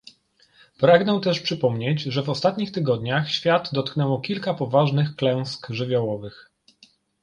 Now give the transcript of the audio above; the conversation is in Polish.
Pragnę też przypomnieć, że w ostatnich tygodniach świat dotknęło kilka poważnych klęsk żywiołowych